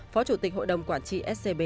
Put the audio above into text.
phó chủ tịch hội đồng quản trị scb